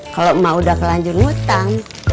kalau emak udah kelanjur ngutang